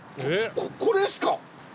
これですか？